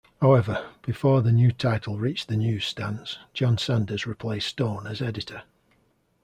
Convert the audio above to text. However, before the new title reached the newsstands, John Sanders replaced Stone as editor.